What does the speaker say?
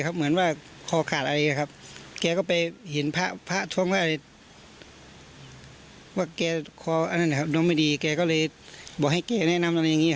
และนี่คือชอบเรื่องนี้ไม่มีแค่บอกให้แกแนะนำเยี่ยม